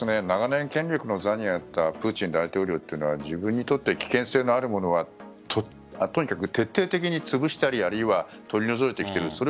長年権力の座にあったプーチン大統領というのは自分にとって危険性のあるものはとにかく徹底的に潰したりあるいは取り除いてきている。